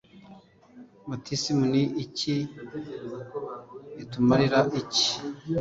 batisimu ni iki/itumarira iki?